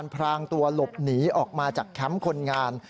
พรางตัวหลบหนีออกมาจากแคมป์คนงาน